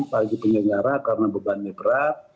bagi penyelenggara karena bebannya berat